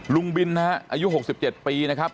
ลุงบินนะฮะอายุ๖๗ปีนะครับ